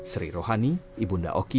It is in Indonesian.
seri rohani ibunda oki